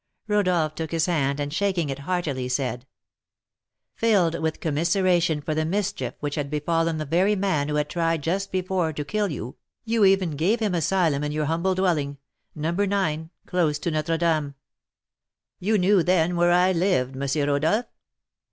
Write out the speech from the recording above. Rodolph took his hand, and, shaking it heartily, said: "Filled with commiseration for the mischief which had befallen the very man who had tried just before to kill you, you even gave him an asylum in your humble dwelling, No. 9, close to Notre Dame." "You knew, then, where I lived, M. Rodolph?"